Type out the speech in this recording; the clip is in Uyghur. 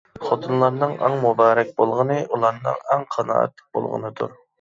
خوتۇنلارنىڭ ئەڭ مۇبارەك بولغىنى ئۇلارنىڭ ئەڭ قانائەتلىك بولغىنىدۇر.